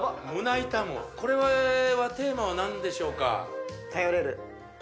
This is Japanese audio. これはテーマは何でしょうか？